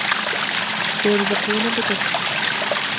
سيرزقون بطفل.